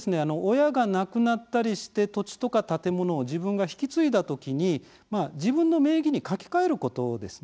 親が亡くなったりして土地とか建物を自分が引き継いだ時に「自分の名義に書き換える」ことです。